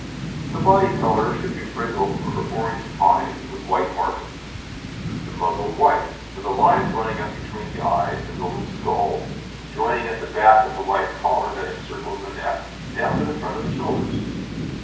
The body colour should be brindle or orange tawny, with white markings; the muzzle white, with a line running up between the eyes, and over the skull, joining at the back the white collar that encircles the neck down to the front of the shoulders.